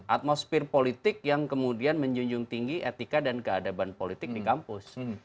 atmosfer politik yang kemudian menjunjung tinggi etika dan keadaban politik di kampus